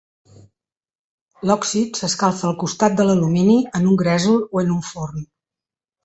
L'òxid s'escalfa al costat de l'alumini en un gresol o en un forn.